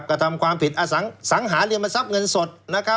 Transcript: กระทำความผิดอสังหาริมทรัพย์เงินสด